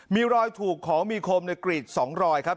มีรอยถูกของมีคมในกรีด๒รอยครับ